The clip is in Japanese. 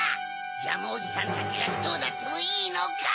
ジャムおじさんたちがどうなってもいいのか！